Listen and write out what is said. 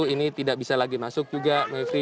ini tidak bisa lagi masuk juga mevri